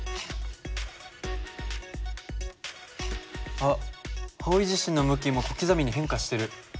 あっ方位磁針の向きも小刻みに変化してる。